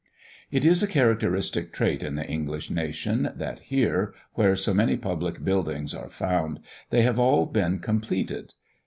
It is a characteristic trait in the English nation, that here, where so many public buildings are found, they have all been completed.